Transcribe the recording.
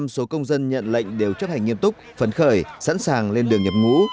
một mươi số công dân nhận lệnh đều chấp hành nghiêm túc phấn khởi sẵn sàng lên đường nhập ngũ